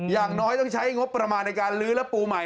อย่างน้อยต้องใช้งบประมาณในการลื้อและปูใหม่